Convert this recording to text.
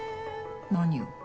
何を？